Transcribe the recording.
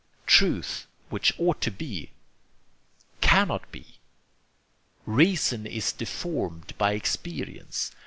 ... Truth, which ought to be, cannot be. ... Reason is deformed by experience.